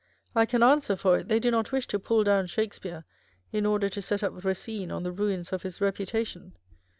I can answer for it, they do not wish to pull down Shakespeare in order to set up Eacine on the ruins of his reputation.